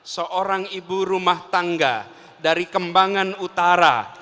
seorang ibu rumah tangga dari kembangan utara